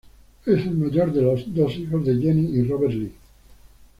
Es el mayor de los dos hijos de Jeanie y Robert Lee.